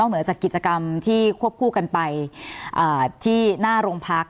เหนือจากกิจกรรมที่ควบคู่กันไปที่หน้าโรงพัก